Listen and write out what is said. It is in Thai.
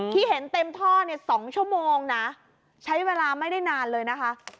เห็นเต็มท่อเนี่ย๒ชั่วโมงนะใช้เวลาไม่ได้นานเลยนะคะ